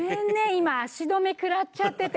今足止め食らっちゃってて。